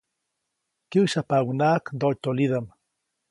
Kyäsyapaʼuŋnaʼak ndoʼtyolidaʼm.